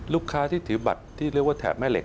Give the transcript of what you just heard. ลูกค้าที่ถือบัตรที่เรียกว่าแถบแม่เหล็